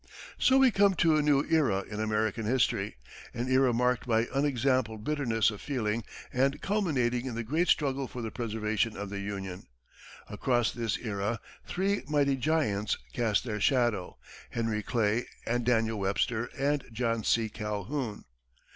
So we come to a new era in American history an era marked by unexampled bitterness of feeling and culminating in the great struggle for the preservation of the Union. Across this era, three mighty giants cast their shadows Henry Clay and Daniel Webster and John C. Calhoun.